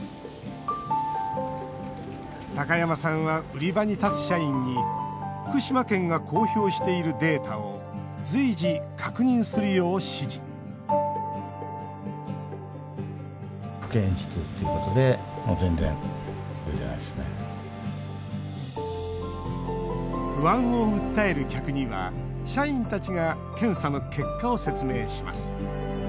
高山さんは売り場に立つ社員に福島県が公表しているデータを随時、確認するよう指示不安を訴える客には社員たちが検査の結果を説明します。